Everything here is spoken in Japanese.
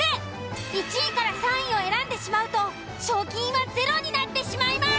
１位３位を選んでしまうと賞金はゼロになってしまいます。